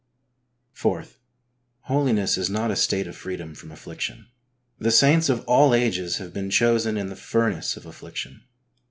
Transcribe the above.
IV. Holiness is not a state of freedom from affliction. The saints of all ages have been chosen ''in the furnace of affliction.